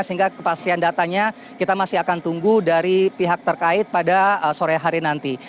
sehingga kepastian datanya kita masih akan tunggu dari pihak terkait pada sore hari nanti